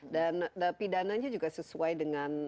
dan pidananya juga sesuai dengan